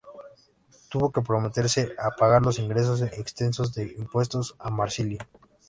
Tuvo que comprometerse a pagar los ingresos exentos de impuestos a Marsilio.